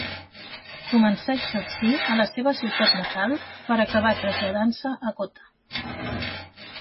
Començà a exercir a la seva ciutat natal, per acabar traslladant-se a Gotha.